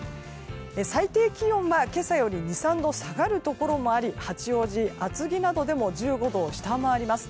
最低気温は今朝より２３度下がるところもあり八王子、厚木などでも１５度を下回ります。